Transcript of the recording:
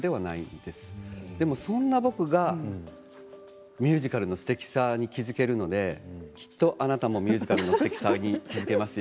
でも、そんな僕がミュージカルのすてきさに気付けるのできっと、あなたもミュージカルのすてきさに気付けますよ。